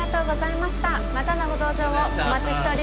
またのご搭乗をお待ちしております。